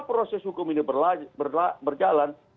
proses hukum ini berjalan